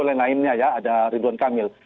dan lain lainnya ya ada ridwan kamil